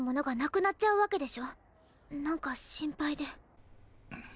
なんか心配で。